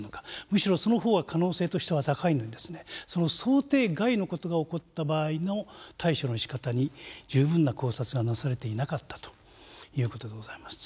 むしろその方が可能性としては高いのにその想定外の事が起こった場合の対処のしかたに十分な考察がなされていなかったという事でございます。